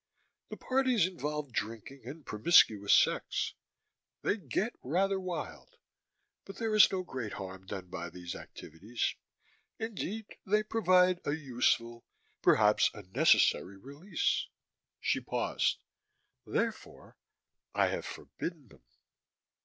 The parties involve drinking and promiscuous sex, they get rather wild, but there is no great harm done by these activities. Indeed, they provide a useful, perhaps a necessary release." She paused. "Therefore I have forbidden them."